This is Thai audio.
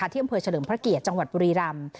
ที่อำเภอเฉลิมพระเกียรติจังหวัดบุรีรำ